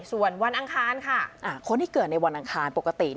ส่วนวันอังคารค่ะคนที่เกิดในวันอังคารปกติ